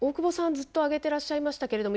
ずっと上げてらっしゃいましたけれども。